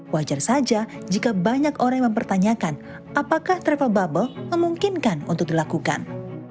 wajar saja jika banyak orang yang mempertanyakan apakah travel bubble memungkinkan untuk dilakukan